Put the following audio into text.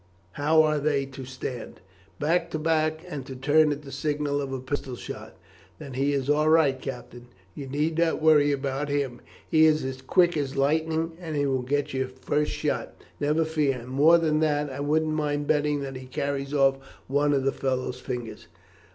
How are they to stand?" "Back to back, and to turn at the signal of a pistol shot." "Then he is all right, Captain. You need not worry about him. He is as quick as lightning, and he will get first shot, never fear, and more than that, I wouldn't mind betting that he carries off one of the fellow's fingers."